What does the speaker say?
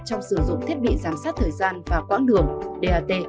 trong sử dụng thiết bị giám sát thời gian và quãng đường dat